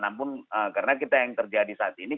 namun karena kita yang terjadi saat ini